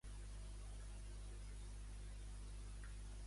Això va dur els presos polítics a fer una vaga de fam.